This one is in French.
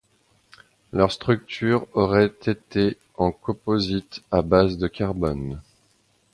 Leur structure aurait été en composite à base de carbone.